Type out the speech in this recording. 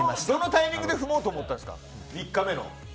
どのタイミングで踏もうと思ったんですか３日目の。